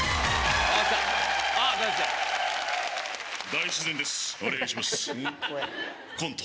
大自然ですお願いしますコント